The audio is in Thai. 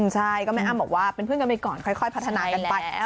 ใช่ก็แม่อ้ำบอกว่าเป็นเพื่อนกันไปก่อนค่อยพัฒนากันไป